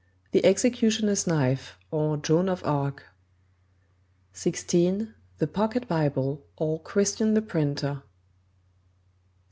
The Executioner's Knife; or, Joan of Arc; 16. The Pocket Bible; or, Christian the Printer; 17.